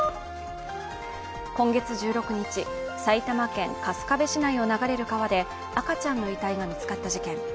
今月１６日、埼玉県春日部市内を流れる川で赤ちゃんの遺体が見つかった事件。